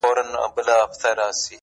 په یو حال د زړه له کوره وتې نشي